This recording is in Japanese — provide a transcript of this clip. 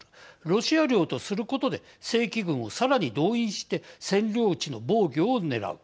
ロシア領とすることで正規軍をさらに動員して占領地の防御をねらう。